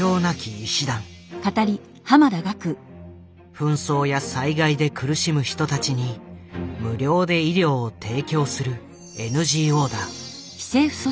紛争や災害で苦しむ人たちに無料で医療を提供するＮＧＯだ。